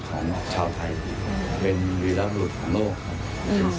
เขาก็เป็นศิลป์ของชาวไทยเป็นศิลป์ของโลกอืม